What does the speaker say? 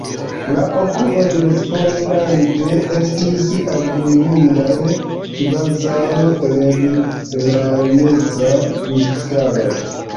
La okuloj respondante estis admirindaj, kvazaŭ larmeca kristalo.